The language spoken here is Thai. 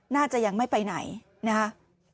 น่าจะยังไม่ไปไหนนะครับ